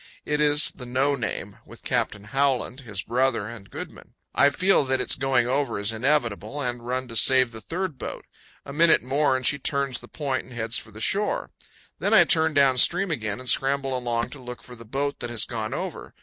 It is the "No Name," with Captain Howland, his brother, and Goodman. I feel that its going over is inevitable, and run to save the third boat. A minute more, and she turns the point and heads for the shore. Then I turn down stream again and scramble along to look for the boat that has gone over.